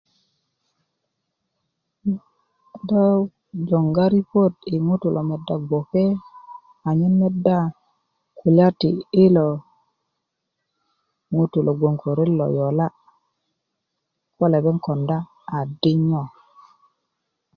um do joŋga ripot yi ŋutu' lo medda gboke anyen medda kulya ti ilo ŋutu' lo gnoŋ ko ret lo yola' ko lepeŋ konda adinyo